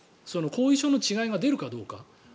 それで後遺症の違いが出るかどうか。